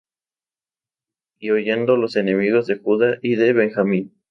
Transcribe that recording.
Y oyendo los enemigos de Judá y de Benjamín.